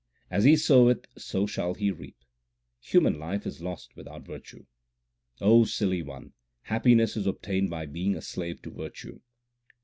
As he soweth so shall he reap ; human life is lost without virtue. O silly one, happiness is obtained by being a slave to virtue.